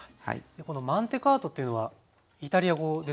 この「マンテカート」っていうのはイタリア語ですか？